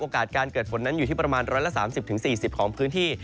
การเกิดฝนนั้นอยู่ที่ประมาณ๑๓๐๔๐ของพื้นที่